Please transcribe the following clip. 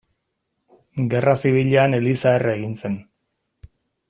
Gerra Zibilean eliza erre egin zen.